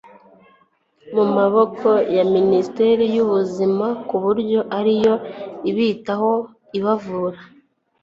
mu maboko ya ministeri y'ubuzima kuburyo ari yo ibitaho ibavura.